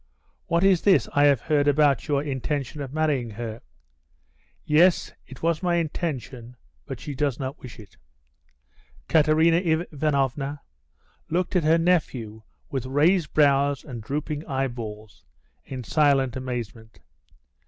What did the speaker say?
"But what is this I have heard about your intention of marrying her?" "Yes, it was my intention, but she does not wish it." Katerina Ivanovna looked at her nephew with raised brows and drooping eyeballs, in silent amazement.